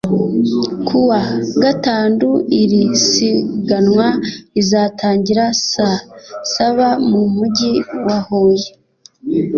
Kuwa Gatandu iri siganwa rizatangira saa saba mu Mujyi wa Huye